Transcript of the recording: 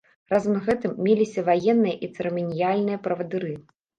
Разам з гэтым, меліся ваенныя і цырыманіяльныя правадыры.